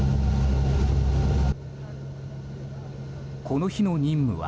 この日の任務は